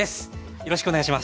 よろしくお願いします。